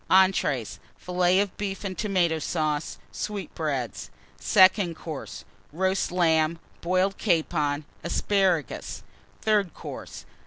ENTREES. Fillets of Beef and Tomato Sauce. Sweetbreads. SECOND COURSE. Roast Lamb. Boiled Capon. Asparagus. THIRD COURSE.